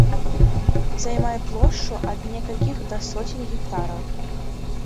Займае плошчу ад некалькіх да соцень гектараў.